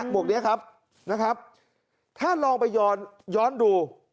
บวกนี้ครับถ้าลองไปย้อนดู